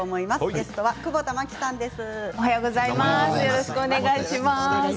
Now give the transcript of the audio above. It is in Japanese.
ゲストは久保田磨希さんです。